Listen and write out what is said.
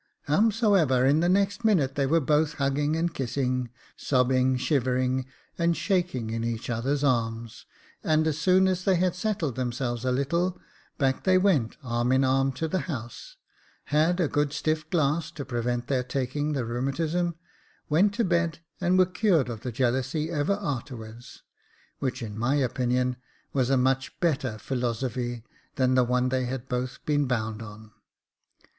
" Howsomever, in the next minute they were both hugging and kissing, sobbing, shivering and shaking in each other's arms ; and as soon as they had settled themselves a little, back they went, arm in arm, to the house, had a good stiff glass to prevent their taking the rheumatism, went to bed, and were cured of the jealousy ever a'terwards — which, in my opinion, was a much better philo zoffy than the one they had both been bound on.